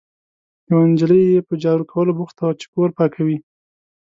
یوه نجلۍ یې په جارو کولو بوخته وه، چې کور پاکوي.